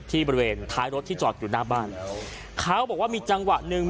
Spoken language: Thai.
บริเวณท้ายรถที่จอดอยู่หน้าบ้านเขาบอกว่ามีจังหวะหนึ่ง